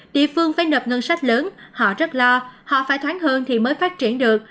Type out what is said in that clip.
địa phương phải nập ngân sách lớn họ rất lo họ phải thoáng hương thì mới phát triển được